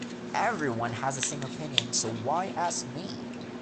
Everyone has the same opinion, so why ask me?